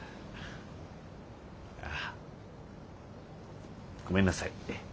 あごめんなさい。